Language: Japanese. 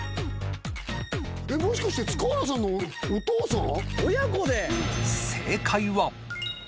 もしかして塚原さんのお父さん？